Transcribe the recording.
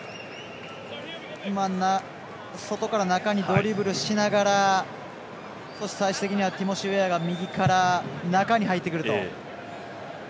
外から中にドリブルしながらそして最終的にはティモシー・ウェアが右から中に入ってくると。